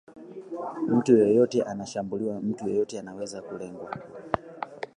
mtu yeyote anashambuliwa mtu yeyote anaweza kulengwa